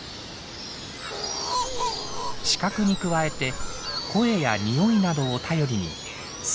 視覚に加えて声やにおいなどを頼りに巣を探すんです。